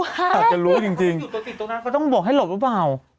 อาจจะรู้จริงปกติตรงนั้นเขาต้องบอกให้หลบหรือเปล่า